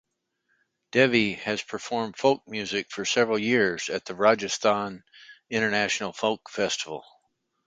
Devi has performed folk music for several years at the Rajasthan International Folk Festival.